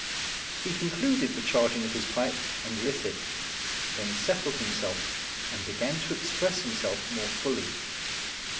He concluded the charging of his pipe, and lit it; then settled himself, and began to express himself more fully.